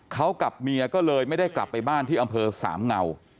เขากับเมียก็เลยไม่ได้กลับไปบ้านที่อำเภอสามเงา